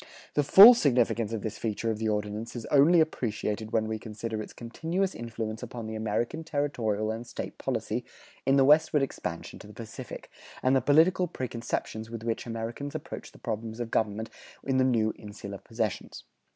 The full significance of this feature of the Ordinance is only appreciated when we consider its continuous influence upon the American territorial and State policy in the westward expansion to the Pacific, and the political preconceptions with which Americans approach the problems of government in the new insular possessions.